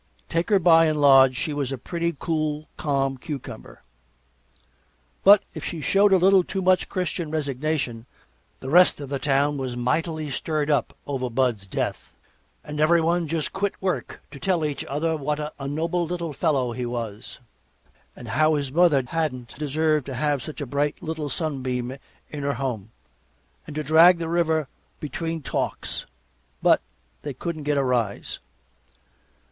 Take her by and large, she was a pretty cool, calm cucumber. But if she showed a little too much Christian resignation, the rest of the town was mightily stirred up over Bud's death, and every one just quit work to tell each other what a noble little fellow he was; and how his mother hadn't deserved to have such a bright little sunbeam in her home; and to drag the river between talks. But they couldn't get a rise.